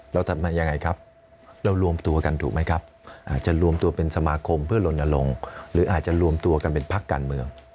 เราทำมายังไงครับเรารวมตัวกันถูกไหมครับอาจจะรวมตัวเป็นสมาคมเพื่อลนลงหรืออาจจะรวมตัวกันเป็นพักการเมือง